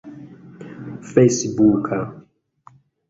fejsbuka